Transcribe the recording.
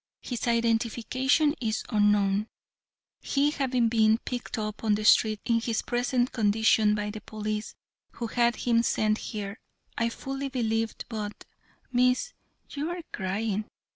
His identification is unknown, he having been picked up on the street in his present condition by the police, who had him sent here. I fully believe but Miss, you are crying.